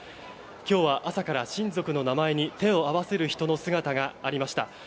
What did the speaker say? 今日は朝から親族の名前に手を合わせる人の姿がありました。